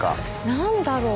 何だろう？